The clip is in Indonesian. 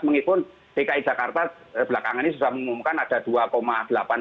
mengikun dki jakarta belakangan ini sudah mengumumkan ada dua delapan persen